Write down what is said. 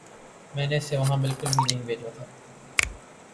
میں نے اسے وہاں بالکل بھی نہیں بھیجا تھا